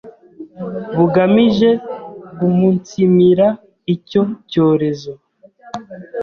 bugamije guumunsimira icyo cyorezo